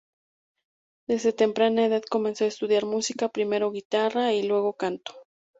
Desde temprana edad comenzó a estudiar música, primero guitarra y luego canto.